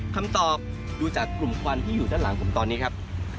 คำตอบดูจากกลุ่มควันที่อยู่ด้านหลังผมตอนนี้ครับ